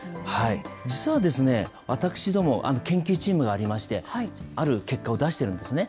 実は、私ども研究チームがありまして、ある結果を出してるんですね。